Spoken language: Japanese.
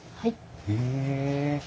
へえ。